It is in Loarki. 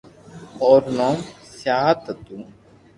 او رو نوم سيات ھتو